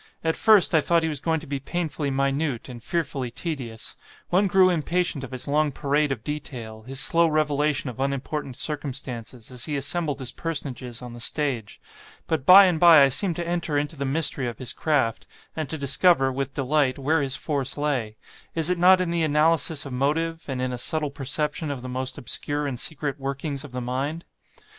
At first, I thought he was going to be painfully minute, and fearfully tedious; one grew impatient of his long parade of detail, his slow revelation of unimportant circumstances, as he assembled his personages on the stage; but by and bye I seemed to enter into the mystery of his craft, and to discover, with delight, where his force lay: is it not in the analysis of motive; and in a subtle perception of the most obscure and secret workings of the mind?